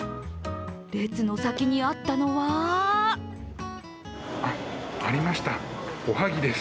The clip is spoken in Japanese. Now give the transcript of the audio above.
列の先にあったのはあっ、ありました、おはぎです！